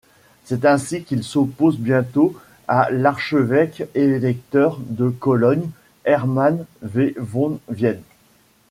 C'est ainsi qu'il s'oppose bientôt à l'archevêque-électeur de Cologne, Hermann V von Wied.